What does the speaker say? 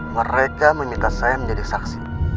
mereka meminta saya menjadi saksi